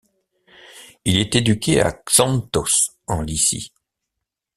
Il est éduqué à Xanthos, en Lycie.